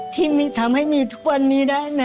ที่มีทำให้มีทุกวันนี้ได้นะ